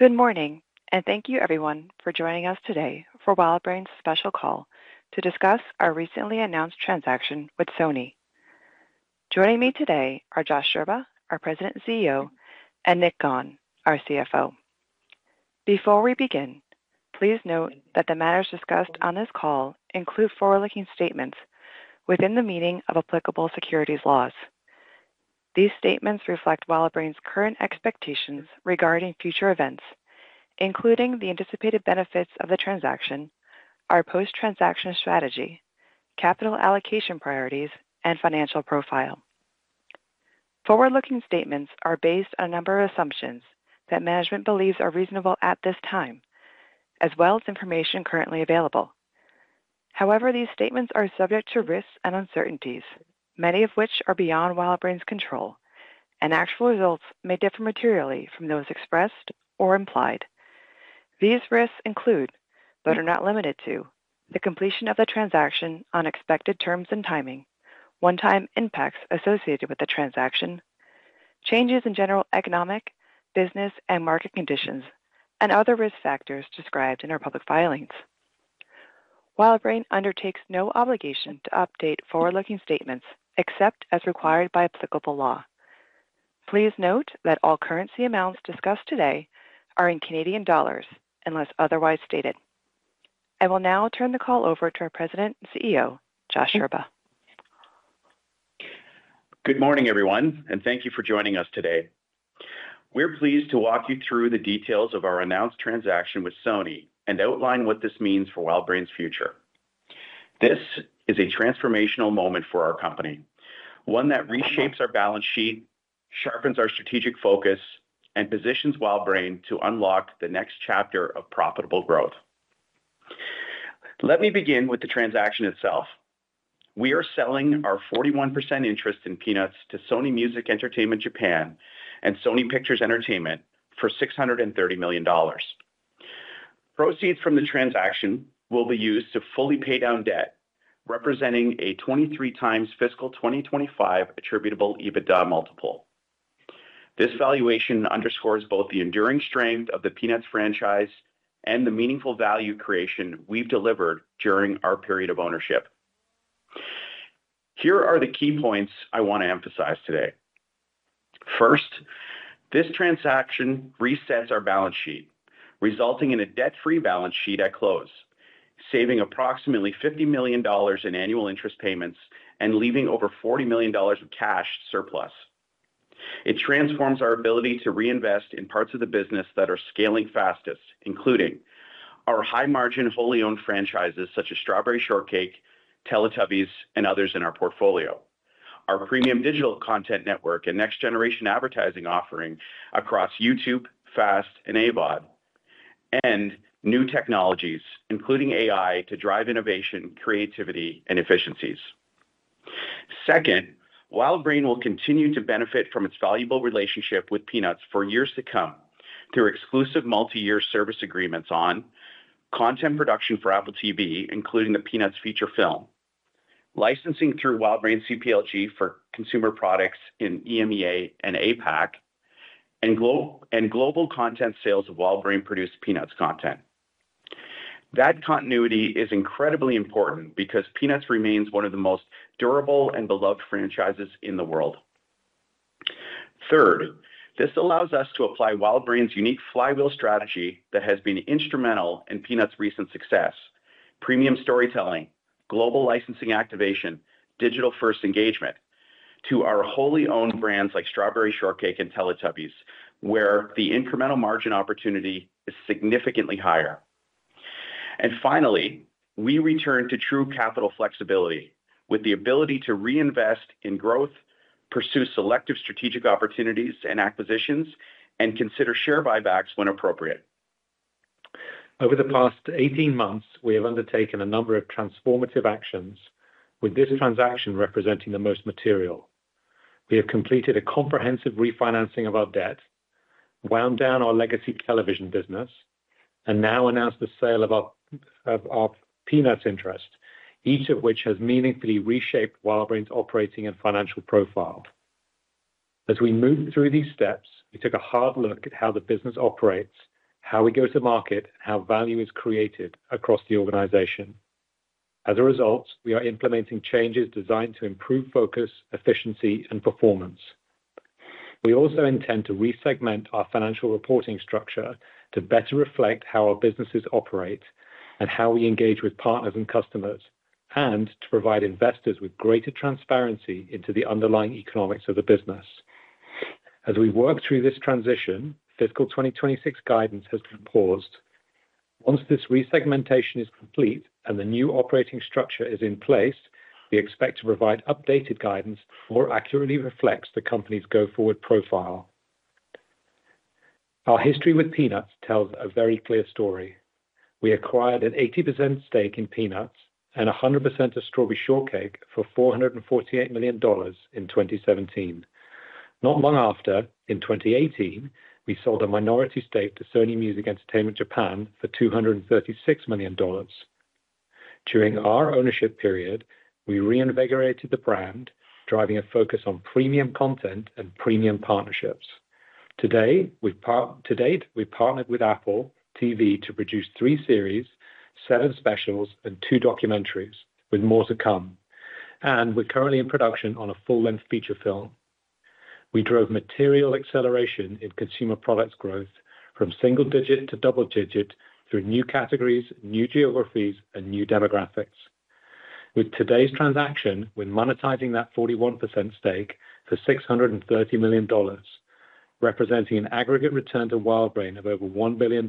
Good morning, and thank you, everyone, for joining us today for WildBrain's special call to discuss our recently announced transaction with Sony. Joining me today are Josh Scherba, our President and CEO, and Nick Gawne, our CFO. Before we begin, please note that the matters discussed on this call include forward-looking statements within the meaning of applicable securities laws. These statements reflect WildBrain's current expectations regarding future events, including the anticipated benefits of the transaction, our post-transaction strategy, capital allocation priorities, and financial profile. Forward-looking statements are based on a number of assumptions that management believes are reasonable at this time, as well as information currently available. However, these statements are subject to risks and uncertainties, many of which are beyond WildBrain's control, and actual results may differ materially from those expressed or implied. These risks include, but are not limited to, the completion of the transaction on expected terms and timing, one-time impacts associated with the transaction, changes in general economic, business, and market conditions, and other risk factors described in our public filings. WildBrain undertakes no obligation to update forward-looking statements except as required by applicable law. Please note that all currency amounts discussed today are in Canadian dollars unless otherwise stated. I will now turn the call over to our President and CEO, Josh Scherba. Good morning, everyone, and thank you for joining us today. We're pleased to walk you through the details of our announced transaction with Sony and outline what this means for WildBrain's future. This is a transformational moment for our company, one that reshapes our balance sheet, sharpens our strategic focus, and positions WildBrain to unlock the next chapter of profitable growth. Let me begin with the transaction itself. We are selling our 41% interest in Peanuts to Sony Music Entertainment Japan and Sony Pictures Entertainment for $630 million. Proceeds from the transaction will be used to fully pay down debt, representing a 23x fiscal 2025 attributable EBITDA multiple. This valuation underscores both the enduring strength of the Peanuts franchise and the meaningful value creation we've delivered during our period of ownership. Here are the key points I want to emphasize today. First, this transaction resets our balance sheet, resulting in a debt-free balance sheet at close, saving approximately $50 million in annual interest payments and leaving over $40 million of cash surplus. It transforms our ability to reinvest in parts of the business that are scaling fastest, including our high-margin wholly-owned franchises such as Strawberry Shortcake, Teletubbies, and others in our portfolio, our premium digital content network and next-generation advertising offering across YouTube, FAST, and AVOD, and new technologies, including AI, to drive innovation, creativity, and efficiencies. Second, WildBrain will continue to benefit from its valuable relationship with Peanuts for years to come through exclusive multi-year service agreements on content production for Apple TV, including the Peanuts feature film, licensing through WildBrain CPLG for consumer products in EMEA and APAC, and global content sales of WildBrain-produced Peanuts content. That continuity is incredibly important because Peanuts remains one of the most durable and beloved franchises in the world. Third, this allows us to apply WildBrain's unique flywheel strategy that has been instrumental in Peanuts' recent success: premium storytelling, global licensing activation, digital-first engagement to our wholly-owned brands like Strawberry Shortcake and Teletubbies, where the incremental margin opportunity is significantly higher. And finally, we return to true capital flexibility with the ability to reinvest in growth, pursue selective strategic opportunities and acquisitions, and consider share buybacks when appropriate. Over the past 18 months, we have undertaken a number of transformative actions, with this transaction representing the most material. We have completed a comprehensive refinancing of our debt, wound down our legacy television business, and now announced the sale of our Peanuts interest, each of which has meaningfully reshaped WildBrain's operating and financial profile. As we move through these steps, we took a hard look at how the business operates, how we go to market, and how value is created across the organization. As a result, we are implementing changes designed to improve focus, efficiency, and performance. We also intend to resegment our financial reporting structure to better reflect how our businesses operate and how we engage with partners and customers, and to provide investors with greater transparency into the underlying economics of the business. As we work through this transition, fiscal 2026 guidance has been paused. Once this resegmentation is complete and the new operating structure is in place, we expect to provide updated guidance that more accurately reflects the company's go-forward profile. Our history with Peanuts tells a very clear story. We acquired an 80% stake in Peanuts and 100% of Strawberry Shortcake for $448 million in 2017. Not long after, in 2018, we sold a minority stake to Sony Music Entertainment Japan for $236 million. During our ownership period, we reinvigorated the brand, driving a focus on premium content and premium partnerships. Today, we partnered with Apple TV to produce three series, seven specials, and two documentaries, with more to come, and we're currently in production on a full-length feature film. We drove material acceleration in consumer products growth from single-digit to double-digit through new categories, new geographies, and new demographics. With today's transaction, we're monetizing that 41% stake for $630 million, representing an aggregate return to WildBrain of over $1 billion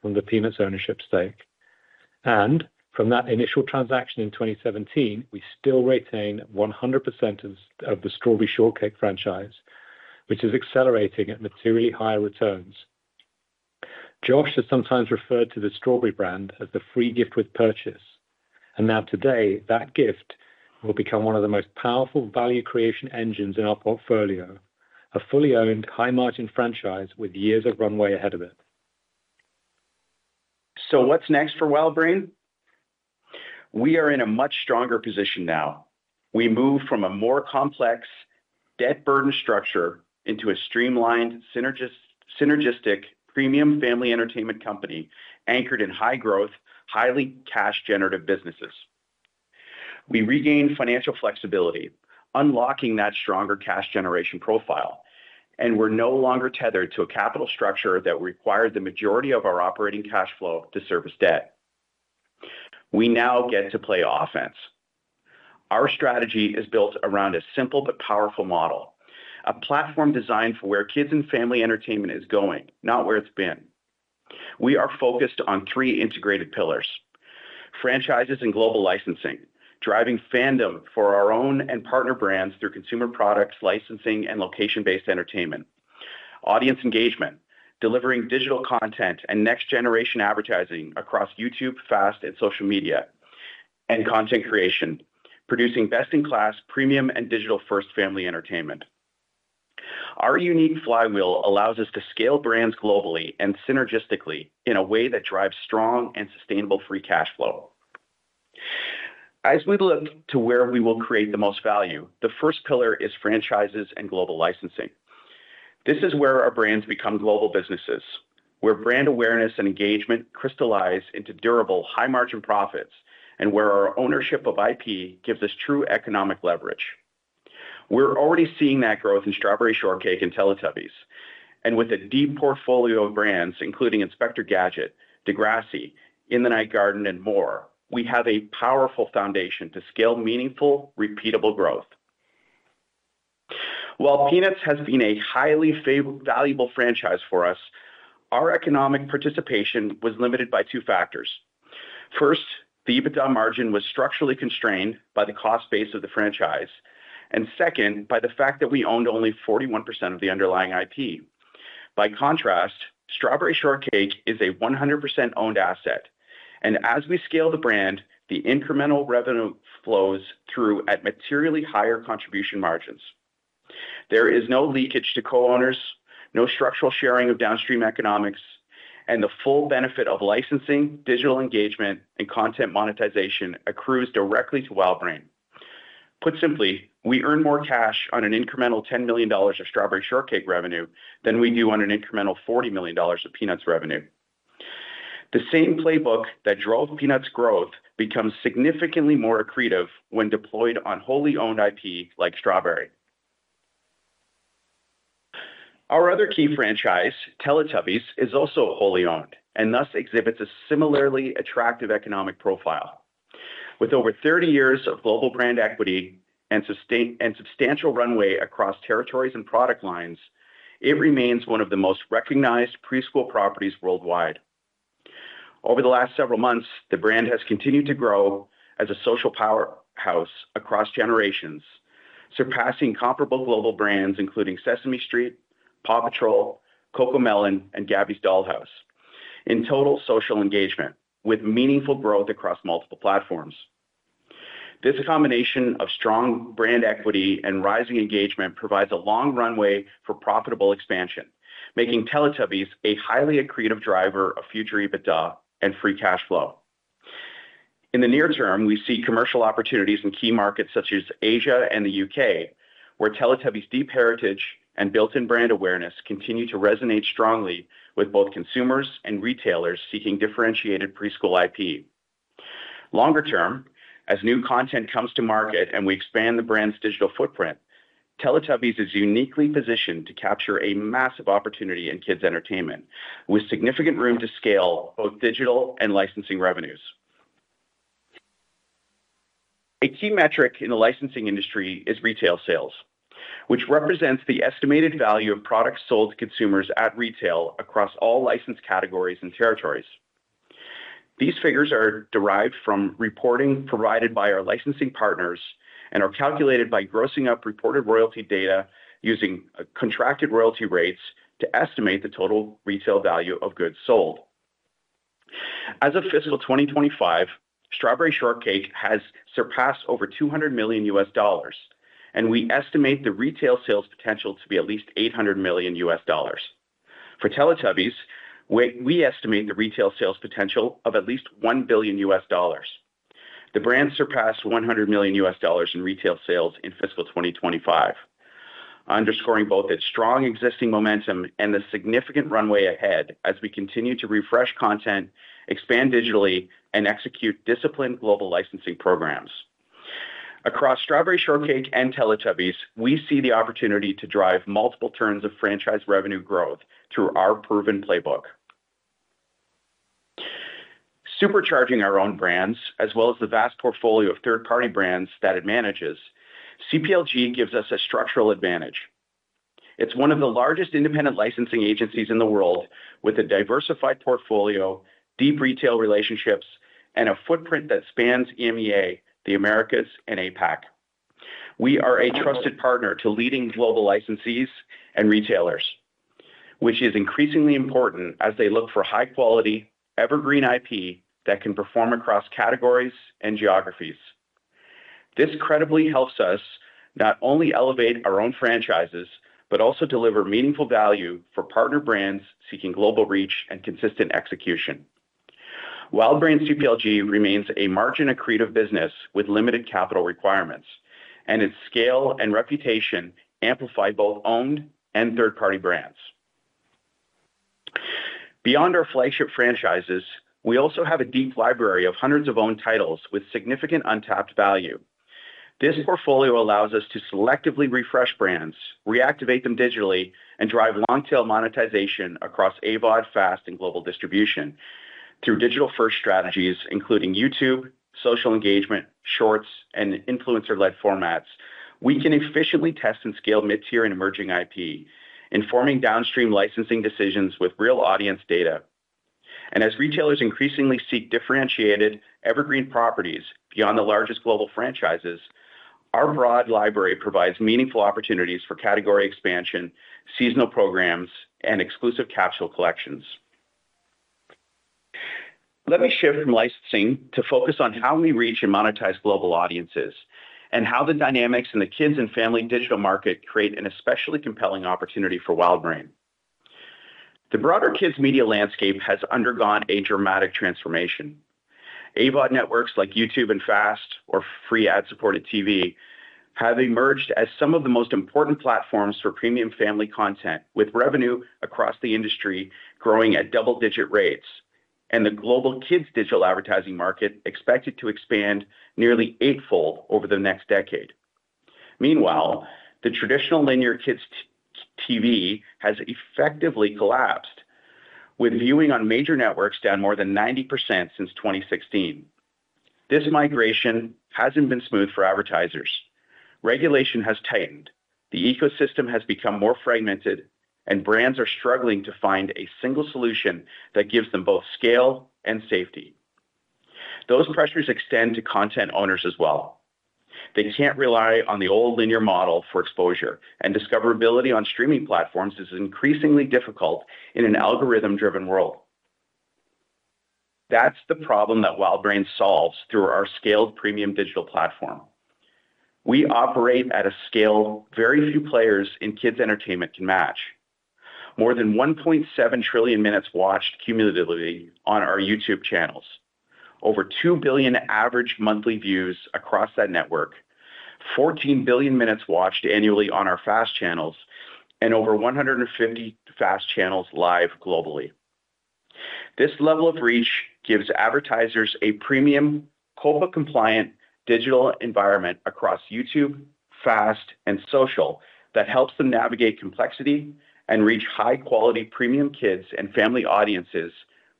from the Peanuts ownership stake. And from that initial transaction in 2017, we still retain 100% of the Strawberry Shortcake franchise, which is accelerating at materially higher returns. Josh has sometimes referred to the Strawberry brand as the free gift with purchase. And now today, that gift will become one of the most powerful value creation engines in our portfolio, a fully-owned, high-margin franchise with years of runway ahead of it. So what's next for WildBrain? We are in a much stronger position now. We moved from a more complex debt burden structure into a streamlined, synergistic premium family entertainment company anchored in high-growth, highly cash-generative businesses. We regained financial flexibility, unlocking that stronger cash generation profile, and we're no longer tethered to a capital structure that required the majority of our operating cash flow to service debt. We now get to play offense. Our strategy is built around a simple but powerful model, a platform designed for where kids and family entertainment is going, not where it's been. We are focused on three integrated pillars: franchises and global licensing, driving fandom for our own and partner brands through consumer products, licensing, and location-based entertainment, audience engagement, delivering digital content and next-generation advertising across YouTube, FAST, and social media, and content creation, producing best-in-class premium and digital-first family entertainment. Our unique flywheel allows us to scale brands globally and synergistically in a way that drives strong and sustainable free cash flow. As we look to where we will create the most value, the first pillar is franchises and global licensing. This is where our brands become global businesses, where brand awareness and engagement crystallize into durable, high-margin profits, and where our ownership of IP gives us true economic leverage. We're already seeing that growth in Strawberry Shortcake and Teletubbies. And with a deep portfolio of brands, including Inspector Gadget, Degrassi, In the Night Garden, and more, we have a powerful foundation to scale meaningful, repeatable growth. While Peanuts has been a highly valuable franchise for us, our economic participation was limited by two factors. First, the EBITDA margin was structurally constrained by the cost base of the franchise, and second, by the fact that we owned only 41% of the underlying IP. By contrast, Strawberry Shortcake is a 100% owned asset, and as we scale the brand, the incremental revenue flows through at materially higher contribution margins. There is no leakage to co-owners, no structural sharing of downstream economics, and the full benefit of licensing, digital engagement, and content monetization accrues directly to WildBrain. Put simply, we earn more cash on an incremental $10 million of Strawberry Shortcake revenue than we do on an incremental $40 million of Peanuts revenue. The same playbook that drove Peanuts' growth becomes significantly more accretive when deployed on wholly-owned IP like Strawberry. Our other key franchise, Teletubbies, is also wholly-owned and thus exhibits a similarly attractive economic profile. With over 30 years of global brand equity and substantial runway across territories and product lines, it remains one of the most recognized preschool properties worldwide. Over the last several months, the brand has continued to grow as a social powerhouse across generations, surpassing comparable global brands including Sesame Street, PAW Patrol, Cocomelon, and Gabby's Dollhouse in total social engagement, with meaningful growth across multiple platforms. This combination of strong brand equity and rising engagement provides a long runway for profitable expansion, making Teletubbies a highly accretive driver of future EBITDA and free cash flow. In the near term, we see commercial opportunities in key markets such as Asia and the U.K., where Teletubbies' deep heritage and built-in brand awareness continue to resonate strongly with both consumers and retailers seeking differentiated preschool IP. Longer term, as new content comes to market and we expand the brand's digital footprint, Teletubbies is uniquely positioned to capture a massive opportunity in kids' entertainment, with significant room to scale both digital and licensing revenues. A key metric in the licensing industry is retail sales, which represents the estimated value of products sold to consumers at retail across all licensed categories and territories. These figures are derived from reporting provided by our licensing partners and are calculated by grossing up reported royalty data using contracted royalty rates to estimate the total retail value of goods sold. As of fiscal 2025, Strawberry Shortcake has surpassed over $200 million, and we estimate the retail sales potential to be at least $800 million. For Teletubbies, we estimate the retail sales potential of at least $1 billion. The brand surpassed $100 million in retail sales in fiscal 2025, underscoring both its strong existing momentum and the significant runway ahead as we continue to refresh content, expand digitally, and execute disciplined global licensing programs. Across Strawberry Shortcake and Teletubbies, we see the opportunity to drive multiple turns of franchise revenue growth through our proven playbook. Supercharging our own brands, as well as the vast portfolio of third-party brands that it manages, CPLG gives us a structural advantage. It's one of the largest independent licensing agencies in the world, with a diversified portfolio, deep retail relationships, and a footprint that spans EMEA, the Americas, and APAC. We are a trusted partner to leading global licensees and retailers, which is increasingly important as they look for high-quality, evergreen IP that can perform across categories and geographies. This credibly helps us not only elevate our own franchises but also deliver meaningful value for partner brands seeking global reach and consistent execution. WildBrain CPLG remains a margin-accretive business with limited capital requirements, and its scale and reputation amplify both owned and third-party brands. Beyond our flagship franchises, we also have a deep library of hundreds of owned titles with significant untapped value. This portfolio allows us to selectively refresh brands, reactivate them digitally, and drive long-tail monetization across AVOD, FAST, and global distribution. Through digital-first strategies, including YouTube, social engagement, shorts, and influencer-led formats, we can efficiently test and scale mid-tier and emerging IP, informing downstream licensing decisions with real audience data, and as retailers increasingly seek differentiated, evergreen properties beyond the largest global franchises, our broad library provides meaningful opportunities for category expansion, seasonal programs, and exclusive capsule collections. Let me shift from licensing to focus on how we reach and monetize global audiences and how the dynamics in the kids' and family digital market create an especially compelling opportunity for WildBrain. The broader kids' media landscape has undergone a dramatic transformation. AVOD networks like YouTube and FAST, or free ad-supported TV, have emerged as some of the most important platforms for premium family content, with revenue across the industry growing at double-digit rates and the global kids' digital advertising market expected to expand nearly eightfold over the next decade. Meanwhile, the traditional linear kids' TV has effectively collapsed, with viewing on major networks down more than 90% since 2016. This migration hasn't been smooth for advertisers. Regulation has tightened, the ecosystem has become more fragmented, and brands are struggling to find a single solution that gives them both scale and safety. Those pressures extend to content owners as well. They can't rely on the old linear model for exposure, and discoverability on streaming platforms is increasingly difficult in an algorithm-driven world. That's the problem that WildBrain solves through our scaled premium digital platform. We operate at a scale very few players in kids' entertainment can match: more than 1.7 trillion minutes watched cumulatively on our YouTube channels, over 2 billion average monthly views across that network, 14 billion minutes watched annually on our FAST channels, and over 150 FAST channels live globally. This level of reach gives advertisers a premium, COPPA-compliant digital environment across YouTube, FAST, and social that helps them navigate complexity and reach high-quality premium kids' and family audiences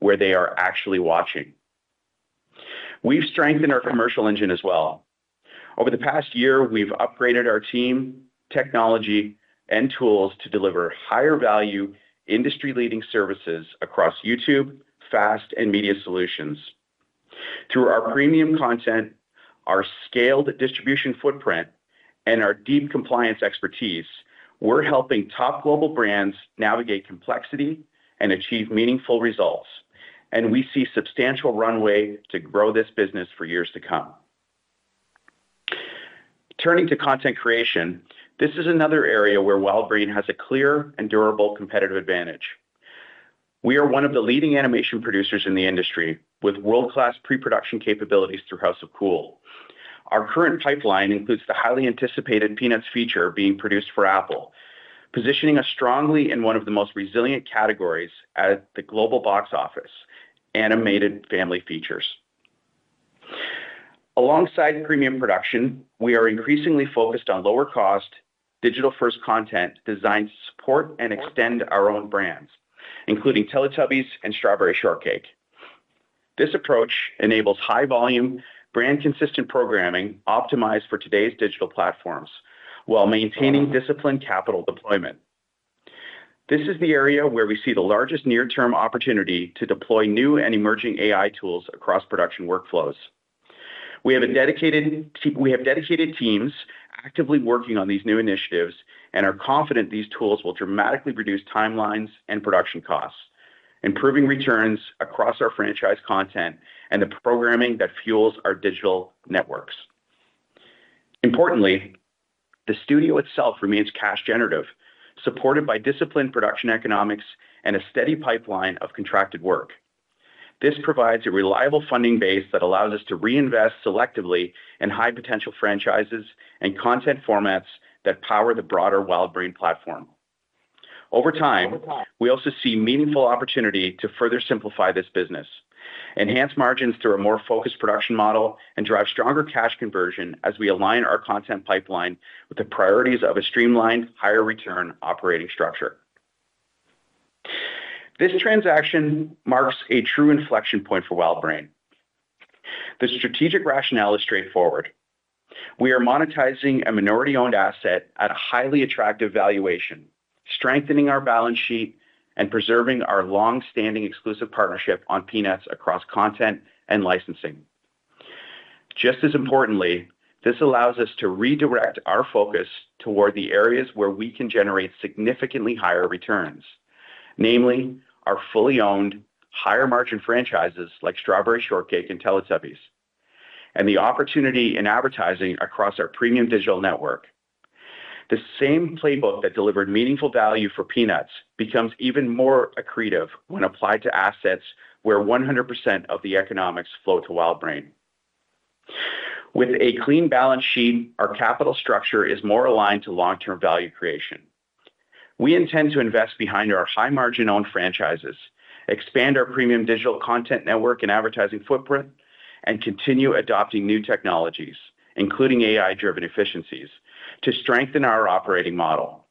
where they are actually watching. We've strengthened our commercial engine as well. Over the past year, we've upgraded our team, technology, and tools to deliver higher-value, industry-leading services across YouTube, FAST, and media solutions. Through our premium content, our scaled distribution footprint, and our deep compliance expertise, we're helping top global brands navigate complexity and achieve meaningful results, and we see substantial runway to grow this business for years to come. Turning to content creation, this is another area where WildBrain has a clear and durable competitive advantage. We are one of the leading animation producers in the industry, with world-class pre-production capabilities through House of Cool. Our current pipeline includes the highly anticipated Peanuts feature being produced for Apple, positioning us strongly in one of the most resilient categories at the global box office, animated family features. Alongside premium production, we are increasingly focused on lower-cost, digital-first content designed to support and extend our own brands, including Teletubbies and Strawberry Shortcake. This approach enables high-volume, brand-consistent programming optimized for today's digital platforms while maintaining disciplined capital deployment. This is the area where we see the largest near-term opportunity to deploy new and emerging AI tools across production workflows. We have dedicated teams actively working on these new initiatives and are confident these tools will dramatically reduce timelines and production costs, improving returns across our franchise content and the programming that fuels our digital networks. Importantly, the studio itself remains cash-generative, supported by disciplined production economics and a steady pipeline of contracted work. This provides a reliable funding base that allows us to reinvest selectively in high-potential franchises and content formats that power the broader WildBrain platform. Over time, we also see meaningful opportunity to further simplify this business, enhance margins through a more focused production model, and drive stronger cash conversion as we align our content pipeline with the priorities of a streamlined, higher-return operating structure. This transaction marks a true inflection point for WildBrain. The strategic rationale is straightforward. We are monetizing a minority-owned asset at a highly attractive valuation, strengthening our balance sheet and preserving our long-standing exclusive partnership on Peanuts across content and licensing. Just as importantly, this allows us to redirect our focus toward the areas where we can generate significantly higher returns, namely our fully-owned, higher-margin franchises like Strawberry Shortcake and Teletubbies, and the opportunity in advertising across our premium digital network. The same playbook that delivered meaningful value for Peanuts becomes even more accretive when applied to assets where 100% of the economics flow to WildBrain. With a clean balance sheet, our capital structure is more aligned to long-term value creation. We intend to invest behind our high-margin-owned franchises, expand our premium digital content network and advertising footprint, and continue adopting new technologies, including AI-driven efficiencies, to strengthen our operating model.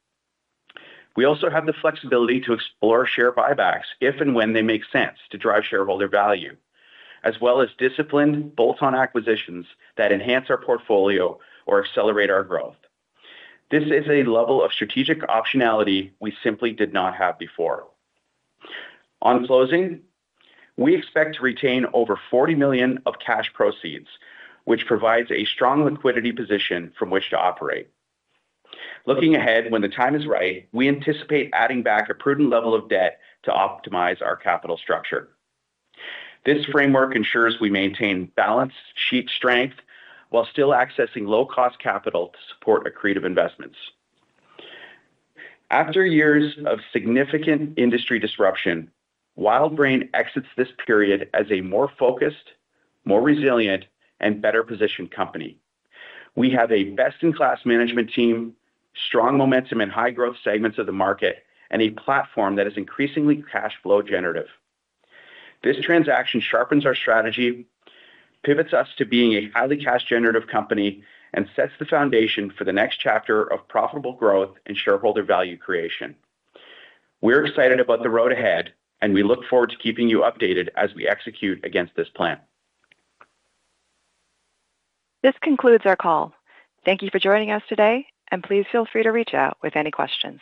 We also have the flexibility to explore share buybacks if and when they make sense to drive shareholder value, as well as disciplined bolt-on acquisitions that enhance our portfolio or accelerate our growth. This is a level of strategic optionality we simply did not have before. On closing, we expect to retain over 40 million of cash proceeds, which provides a strong liquidity position from which to operate. Looking ahead when the time is right, we anticipate adding back a prudent level of debt to optimize our capital structure. This framework ensures we maintain balance sheet strength while still accessing low-cost capital to support accretive investments. After years of significant industry disruption, WildBrain exits this period as a more focused, more resilient, and better-positioned company. We have a best-in-class management team, strong momentum in high-growth segments of the market, and a platform that is increasingly cash flow generative. This transaction sharpens our strategy, pivots us to being a highly cash-generative company, and sets the foundation for the next chapter of profitable growth and shareholder value creation. We're excited about the road ahead, and we look forward to keeping you updated as we execute against this plan. This concludes our call. Thank you for joining us today, and please feel free to reach out with any questions.